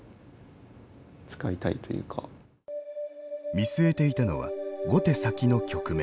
見据えていたのは５手先の局面。